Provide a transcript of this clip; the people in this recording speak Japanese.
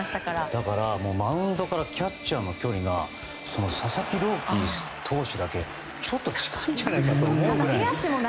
だから、マウンドからキャッチャーの距離が佐々木朗希投手だけ近いんじゃないかと思うくらい。